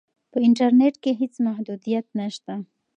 په انټرنیټ کې هیڅ محدودیت نشته.